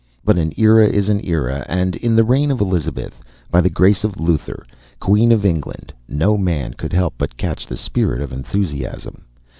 But an era is an era, and in the reign of Elizabeth, by the grace of Luther, Queen of England, no man could help but catch the spirit of enthusiasm.